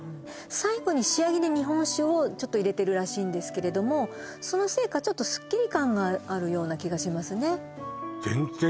最後に仕上げに日本酒をちょっと入れてるらしいんですけれどもそのせいかちょっとスッキリ感があるような気がしますね